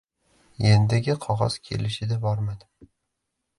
Yendigi qog‘oz kelishida bormadim.